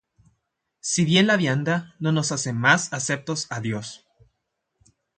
Si bien la vianda no nos hace más aceptos á Dios: